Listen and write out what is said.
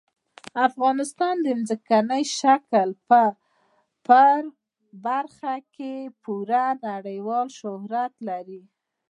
افغانستان د ځمکني شکل په برخه کې پوره نړیوال شهرت لري.